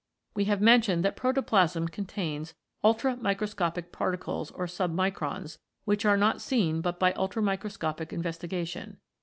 We have mentioned that protoplasm contains ultramicro scopic particles or submicrons, which are not seen but by ultramicroscopic investigation.